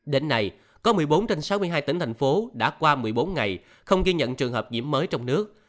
đến nay có một mươi bốn trên sáu mươi hai tỉnh thành phố đã qua một mươi bốn ngày không ghi nhận trường hợp nhiễm mới trong nước